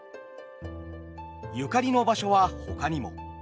ゆかりの場所はほかにも。